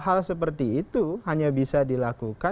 nah hal hal seperti itu hanya bisa dihadirkan oleh negara